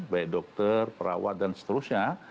baik dokter perawat dan seterusnya